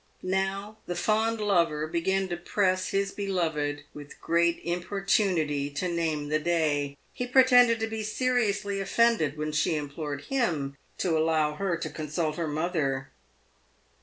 Now the fond lover began to press his beloved with great importu nity to name the day. He pretended to be seriously offended when PAVED WITH GOLD. 393 she implored him to allow her to consult her mother.